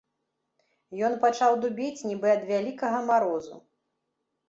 Ён пачаў дубець, нібы ад вялікага марозу.